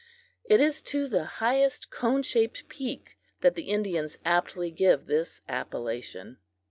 It is to the highest cone shaped peak that the Indians aptly give this appellation.